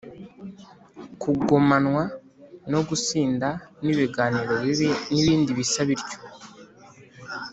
kugomanwa, no gusinda, n'ibiganiro bibi, n'ibindi bisa bityo.